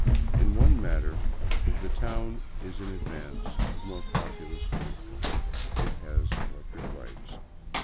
In one matter the town is in advance of more populous Cuenca, — it has electric lights.